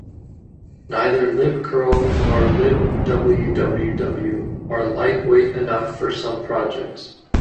Neither libcurl nor libwww are lightweight enough for some projects.